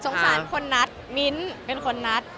สารคนนัดมิ้นเป็นคนนัด